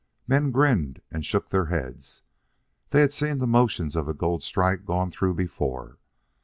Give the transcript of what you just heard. Men grinned and shook their heads. They had seen the motions of a gold strike gone through before.